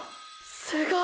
すごい！！